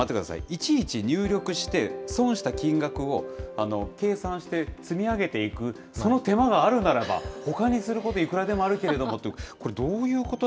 いちいち入力して、損した金額を計算して積み上げていく、その手間があるならば、ほかにすることいくらでもあるけれどもと、これ、どういうこと？